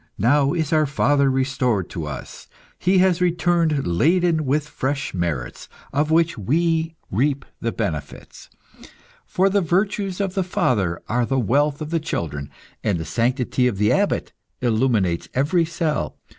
Now is our father restored to us. He has returned laden with fresh merits, of which we reap the benefit. For the virtues of the father are the wealth of the children, and the sanctity of the Abbot illuminates every cell.